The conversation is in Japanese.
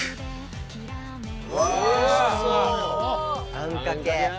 あんかけ。